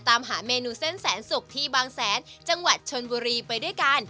ตามหาเมนูเส้นแสนสุกที่บางแสนจังหวัดชนบุรีไปด้วยกัน